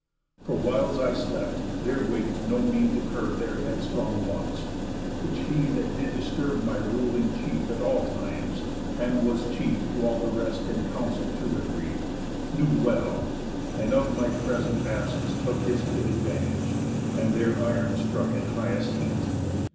For whiles I slept, there wak'd no mean to curb Their headstrong wants; which he that did disturb My rule in chief at all times, and was chief To all the rest in counsel to their grief, Knew well, and of my present absence took His fit advantage, and their iron strook At highest heat.